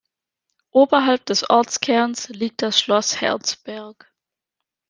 Oberhalb des Ortskerns liegt das Schloss Herzberg.